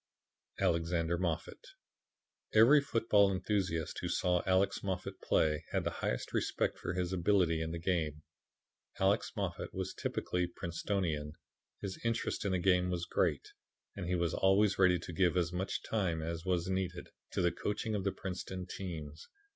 Alexander Moffat Every football enthusiast who saw Alex Moffat play had the highest respect for his ability in the game. Alex Moffat was typically Princetonian. His interest in the game was great, and he was always ready to give as much time as was needed to the coaching of the Princeton teams.